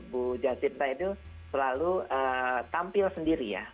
bu jasinta itu selalu tampil sendiri ya